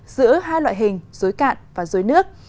giữa hai loại hình dối cạn và dối nước